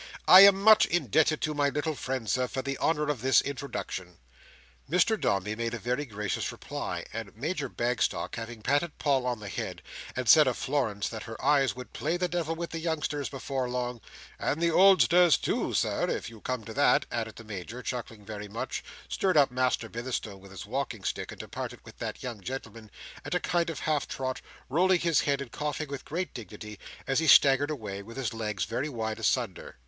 I am much indebted to my little friend, Sir, for the honour of this introduction." Mr Dombey made a very gracious reply; and Major Bagstock, having patted Paul on the head, and said of Florence that her eyes would play the Devil with the youngsters before long—"and the oldsters too, Sir, if you come to that," added the Major, chuckling very much—stirred up Master Bitherstone with his walking stick, and departed with that young gentleman, at a kind of half trot; rolling his head and coughing with great dignity, as he staggered away, with his legs very wide asunder.